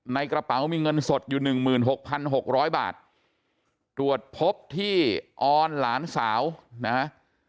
ในกระเป๋ามีเงินสดอยู่หนึ่งหมื่นหกพันหกร้อยบาทตรวจพบที่ออนหลานสาวนะฮะ